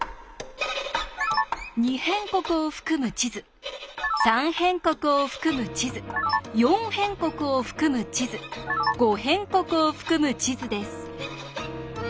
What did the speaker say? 「二辺国」を含む地図「三辺国」を含む地図「四辺国」を含む地図「五辺国」を含む地図です。